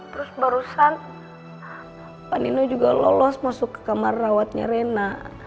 terus barusan pak nino juga lolos masuk ke kamar rawatnya rena